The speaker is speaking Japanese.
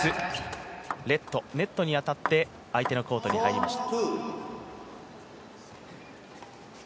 ネットに当たって相手のコートに入りました。